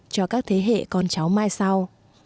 cho các thế hệ con cháu mai sau